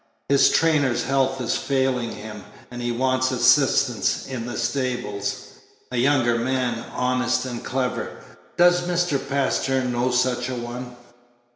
His trainer's health is failing him, and he wants assistance in the stables a younger man, honest and clever. Does Mr. Pastern know such a one?